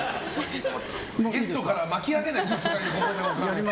ゲストから巻き上げないですから。